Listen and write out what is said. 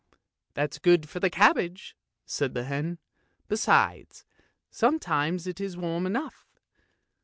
" That's good for the cabbage," said the hen. " Besides, sometimes it is warm enough.